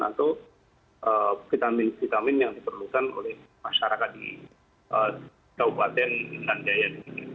untuk vitamin vitamin yang diperlukan oleh masyarakat di daubatan intan jaya